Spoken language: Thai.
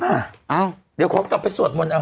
อ้าวเดี๋ยวขอกลับไปสวดมนต์เอา